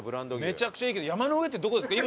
めちゃくちゃいいけど山の上ってどこですか？